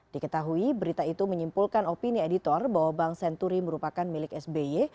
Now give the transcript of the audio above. diketahui berita itu menyimpulkan opini editor bahwa bank senturi merupakan milik sby